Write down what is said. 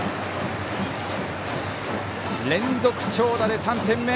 連続長打で３点目。